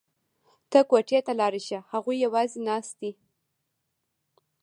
ته کوټې ته لاړه شه هغوی یوازې ناست دي